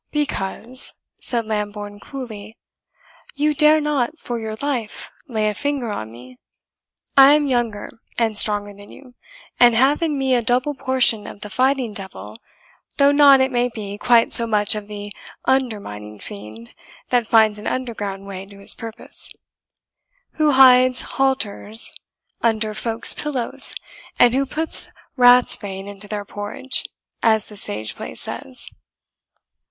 "Because," said Lambourne coolly, "you dare not for your life lay a finger on me. I am younger and stronger than you, and have in me a double portion of the fighting devil, though not, it may be, quite so much of the undermining fiend, that finds an underground way to his purpose who hides halters under folk's pillows, and who puts rats bane into their porridge, as the stage play says."